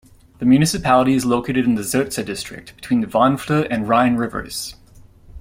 The municipality is located in the Zurzach district, between the Wandfluh and Rhine rivers.